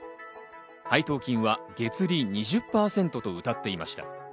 配当金は月利２０％とうたっていました。